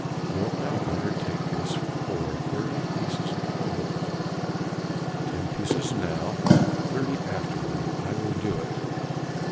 Wilt thou undertake this for thirty pieces of gold?" "Ten pieces now thirty afterward, and I will do it."